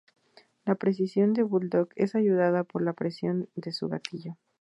La precisión del Bulldog es ayudada por la presión de su gatillo.